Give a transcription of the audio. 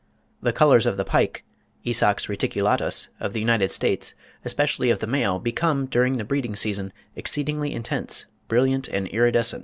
The colours of the pike (Esox reticulatus) of the United States, especially of the male, become, during the breeding season, exceedingly intense, brilliant, and iridescent.